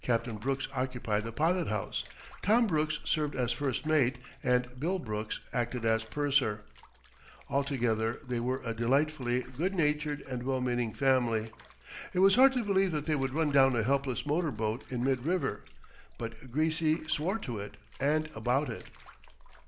Captain Brooks occupied the pilot house; Tom Brooks served as first mate, and Bill Brooks acted as purser. Altogether they were a delightfully good natured and well meaning family. It was hard to believe they would run down a helpless motor boat in mid river, but Greasy swore to it, and about it.